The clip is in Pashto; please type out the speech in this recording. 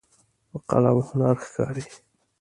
په قلم هنر ښکاري.